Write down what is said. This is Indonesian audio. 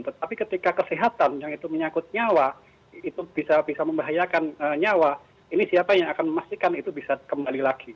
tetapi ketika kesehatan yang itu menyangkut nyawa itu bisa membahayakan nyawa ini siapa yang akan memastikan itu bisa kembali lagi